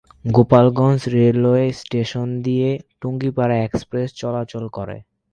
Gopalganj railway station দিয়ে Tungipara express চলাচল করে।